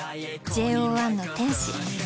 ＪＯ１の天使。